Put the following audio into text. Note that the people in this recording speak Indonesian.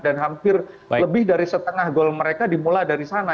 dan hampir lebih dari setengah gol mereka dimulai dari sana